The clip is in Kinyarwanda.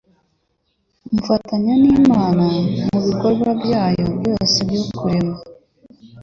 Mfatanya n’Imana mu bikorwa byayo byose byo kurema